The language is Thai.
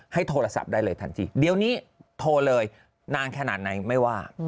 โทรศัพท์ได้เลยทันทีเดี๋ยวนี้โทรเลยนานขนาดไหนไม่ว่า